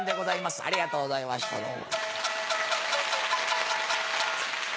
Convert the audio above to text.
ありがとうございましたどうも。